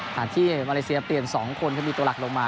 ที่มาเลเซียเปลี่ยน๒คนที่มีตัวหลักลงมา